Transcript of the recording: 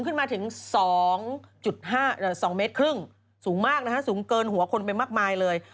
ขึ้นมาถึง๒๕๒เมตรครึ่งสูงมากนะฮะสูงเกินหัวคนไปมากมายเลย